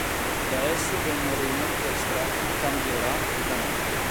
Da esso vennero inoltre estratti "Cambierà" e "La notte".